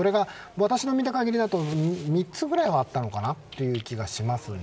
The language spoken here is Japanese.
私の見た限りだと３つくらいはあったのかなという気がします。